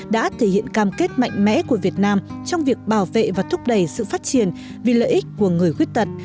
đã thể hiện cam kết mạnh mẽ của việt nam trong việc bảo vệ và thúc đẩy sự phát triển vì lợi ích của người khuyết tật